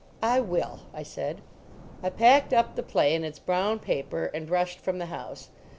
"I will," I said. I packed up the play in its brown paper, and rushed from the house.